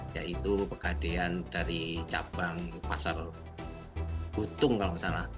yaitu pekadean dari cabang pasar butung kalau tidak salah